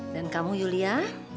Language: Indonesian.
dan kamu yulia